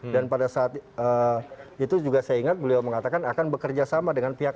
dan pada saat itu juga saya ingat beliau mengatakan akan bekerja sama dengan pihak